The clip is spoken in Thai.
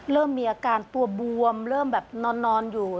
เริ่มมีอาการตัวบวมเริ่มแบบนอนอยู่